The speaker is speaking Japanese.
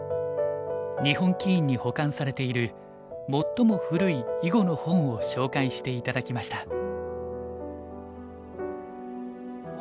日本棋院に保管されている最も古い囲碁の本を紹介して頂きました。